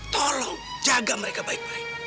tolong jaga mereka baik baik